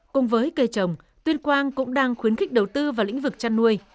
cùng với cây trồng tuyên quang cũng đang khuyến khích đầu tư vào lĩnh vực chăn nuôi